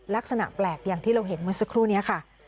ลักษณะแปลกอย่างที่เราเห็นเมื่อสักครู่นี้ค่ะ